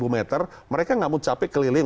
seribu meter mereka nggak mau capek keliling